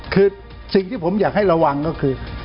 คือสิ่งที่ผมอยากให้ระวังก็คือ